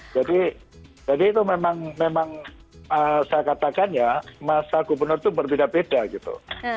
jadi itu memang saya katakan ya masa gubernur itu berbeda beda gitu